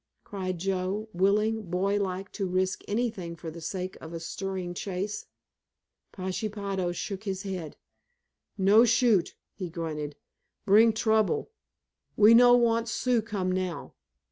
cried Joe, willing, boy like, to risk anything for the sake of a stirring chase. Pashepaho shook his head. "No shoot," he grunted. "Bring trouble. We no want Sioux come now."